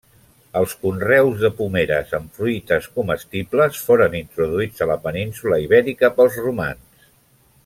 Els conreus de pomeres amb fruites comestibles foren introduïts a la península Ibèrica pels romans.